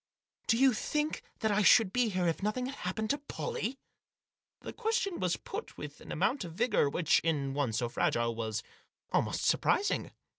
Do you think that I should be here if nothing had happened to Pollie?" The question was put with an amount of vigour which, in one so fragile, was almost surprising.